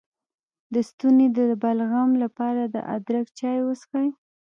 د ستوني د بلغم لپاره د ادرک چای وڅښئ